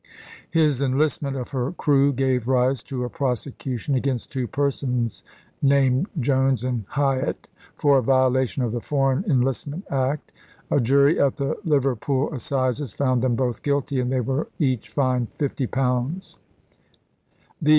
His enlistment of her crew gave rise to a prosecution against two persons named Jones and Highatt for a violation of the foreign enlistment act; a jury at the Liverpool assizes found them £§£££$' both guilty and they were fined £50 each. The ,g?